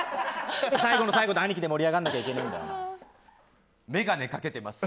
最後の最後で兄貴で盛り上がんなきゃいけないんだよ。